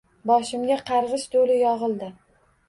Boshimga qarg'ish do'li yog'ildi